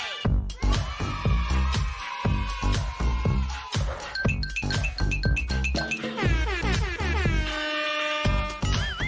ในวันนี้ก็เป็นการประเดิมถ่ายเพลงแรก